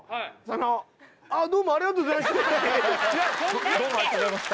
「あどうもありがとうございました」